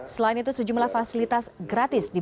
selain itu sejumlah fasilitas gratis diberikan